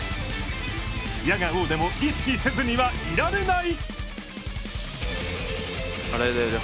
否が応でも意識せずにはいられない。